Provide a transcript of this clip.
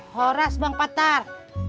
horas bang patar